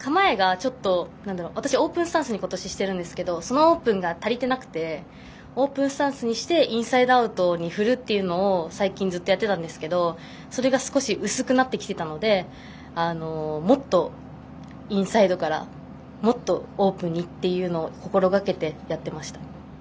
構えがちょっと私オープンスタンスに今年しているんですけどそのオープンが足りてなくてオープンスタンスにしてインサイドアウトに振るというのを最近ずっとやっていたんですけどそれが少し薄くなってきていたのでもっとインサイドからもっとオープンにというのを心がけてやっていました。